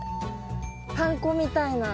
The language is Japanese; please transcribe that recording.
パン粉みたいな。